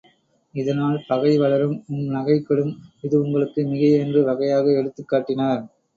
இதனால் பகை வளரும் உம் நகை கெடும் இது உங்களுக்கு மிகை என்று வகையாக எடுத்துக் காட்டினர்.